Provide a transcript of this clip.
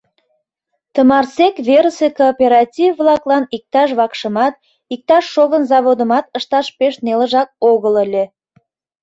Тымарсек верысе кооператив-влаклан иктаж вакшымат, иктаж шовын заводымат ышташ пеш нелыжак огыл ыле.